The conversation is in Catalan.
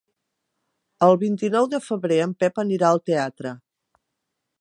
El vint-i-nou de febrer en Pep anirà al teatre.